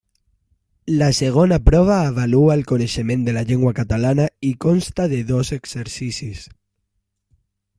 La segona prova avalua el coneixement de la llengua catalana i consta de dos exercicis.